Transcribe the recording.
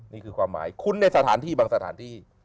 นี่คือความหมายคุ้นในสถานที่บางสถานที่